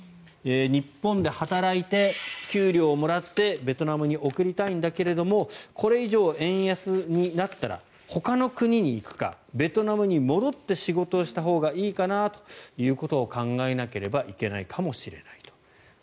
日本で働いて給料をもらってベトナムに送りたいんだけどこれ以上、円安になったらほかの国に行くかベトナムに戻って仕事をしたほうがいいかなということを考えなければいけないかもしれないと。